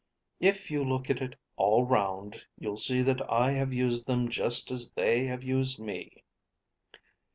If you look at it all round, you'll see that I have used them just as they have used me."